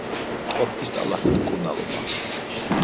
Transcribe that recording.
ტორფის ტალახით მკურნალობა.